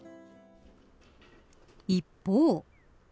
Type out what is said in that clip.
一方。